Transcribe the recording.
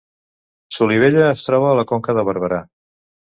Solivella es troba a la Conca de Barberà